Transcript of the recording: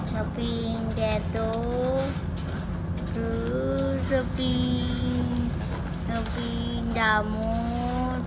topping dato terus topping topping jamur terus